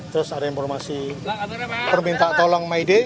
terus ada informasi permintaan tolong mayday